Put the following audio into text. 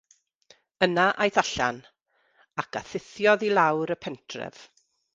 Yna aeth allan, ac a thuthiodd i lawr y pentref.